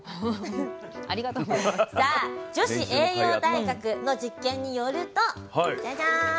さあ女子栄養大学の実験によるとジャジャーン。